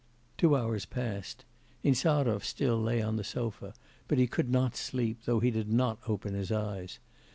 Two hours passed. Insarov still lay on the sofa, but he could not sleep, though he did not open his eyes.